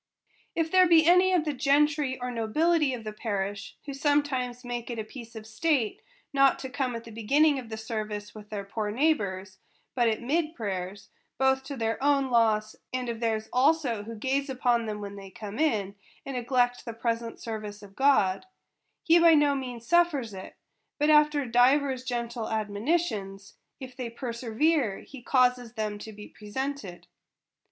If there be any of the gentry or nobility of the parish, who sometimes make it a piece of state not to come at the beginning of service with their poor neighbors, but at mid prayers, both to their own loss, and of theirs also who gaze upon them when they come in, and neglect the present service of God ; he by no means suffers it, but after divers gentle admonitions, if they perservere, he causes them to be presented.